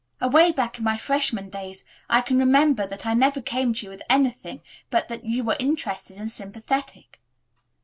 "Away back in my freshman days I can remember that I never came to you with anything, but that you were interested and sympathetic."